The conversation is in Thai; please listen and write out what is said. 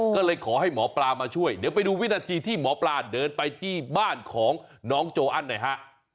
ก็เลยขอให้หมอปลามาช่วยเดี๋ยวไปดูวินาทีที่หมอปลาเดินไปที่บ้านของน้องโจอันหน่อยฮะ